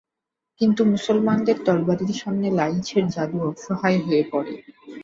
কিন্তু মুসলমানদের তরবারির সামনে লাঈছের জাদু অসহায় হয়ে পড়ে।